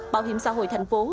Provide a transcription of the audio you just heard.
bảo hiểm xã hội thành phố